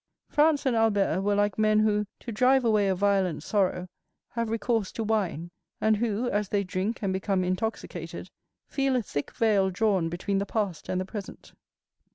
Franz and Albert were like men who, to drive away a violent sorrow, have recourse to wine, and who, as they drink and become intoxicated, feel a thick veil drawn between the past and the present.